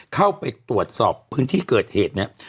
เข้าไปตรวจสอบพื้นที่เกิดเหตุเนี่ย